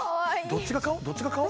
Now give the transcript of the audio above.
どっちが顔？